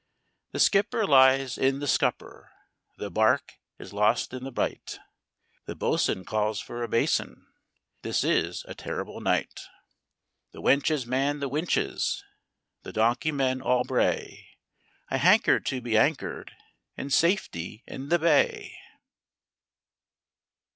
"The skipper lies in the scupper, The barque is lost in the bight; The bosun calls for a basin This is a terrible night. "The wenches man the winches, The donkey men all bray "... I hankered to be anchored In safety in the bay!